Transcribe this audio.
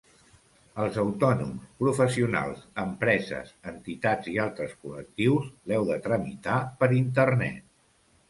Els autònoms, professionals, empreses, entitats i altres col·lectius l'heu de tramitar per internet.